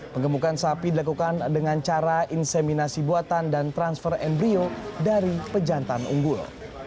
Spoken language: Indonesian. pengemukan sapi dilakukan dengan cara inseminasi buatan dan transfer embryo dari pejantan unggul